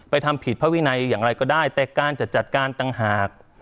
ทำผิดพระวินัยอย่างไรก็ได้แต่การจะจัดการต่างหาก